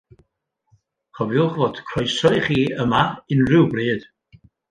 Cofiwch fod croeso i chi yma unrhyw bryd.